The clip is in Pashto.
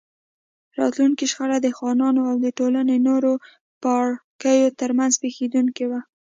راتلونکې شخړه د خانانو او د ټولنې نورو پاړکیو ترمنځ پېښېدونکې وه.